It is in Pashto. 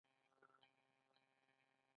آیا مونټریال د ګیمونو لپاره مشهور نه دی؟